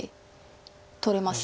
取れます。